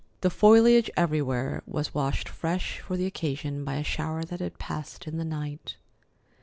The foliage everywhere was washed fresh for the occasion by a shower that had passed in the night.